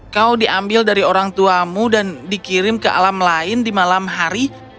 kau diambil dari orang tuamu dan dikirim ke alam lain di malam hari